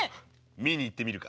見に行ってみるか？